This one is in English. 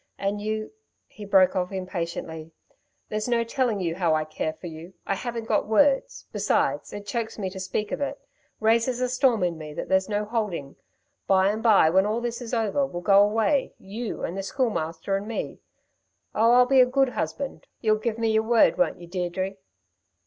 And you " he broke off impatiently, "there's no telling you how I care for you. I haven't got words. Besides, it chokes me to speak of it; raises a storm in me that there's no holding. By and by when this is all over, we'll go away you and the Schoolmaster and me. Oh, I'll be a good husband. You'll give me y'r word, won't you, Deirdre?"